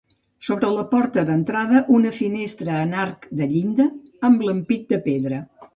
Sobre la porta d'entrada, una finestra en arc de llinda amb l'ampit de pedra.